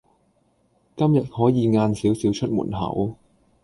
今日可以晏少少出門口